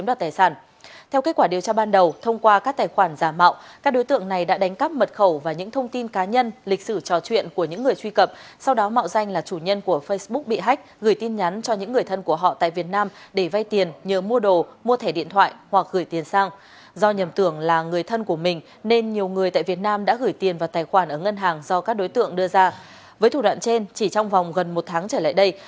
với thủ đoạn trên chỉ trong vòng gần một tháng trở lại đây